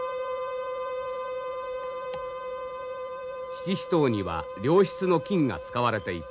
七支刀には良質の金が使われていた。